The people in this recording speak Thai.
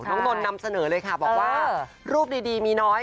นนท์นำเสนอเลยค่ะบอกว่ารูปดีมีน้อย